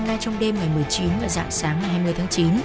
hôm nay trong đêm ngày một mươi chín và dạng sáng ngày hai mươi tháng chín